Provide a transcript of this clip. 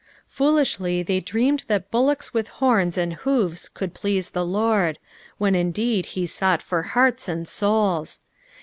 Foolishly they dreamed that bullocks with horns and hoofs could please the Lord, when indeed he sought for hearts aad souls.